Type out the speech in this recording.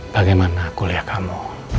bagaimana kuliah kamu